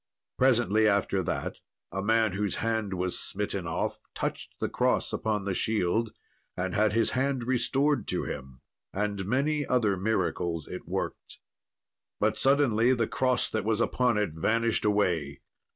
Presently after that, a man whose hand was smitten off touched the cross upon the shield, and had his hand restored to him; and many other miracles it worked. But suddenly the cross that was upon it vanished away.